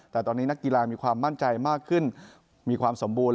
แต่ตอนนี้นักกีฬามีความมั่นใจมากขึ้นมีความสมบูรณ